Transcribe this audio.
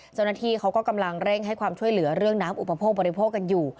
เจ้าหน้าที่เขาก็กำลังเร่งให้ความช่วยเหลือเรื่องน้ำอุปโภคบริโภคกันอยู่